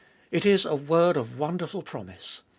it is a word of wonderful promise.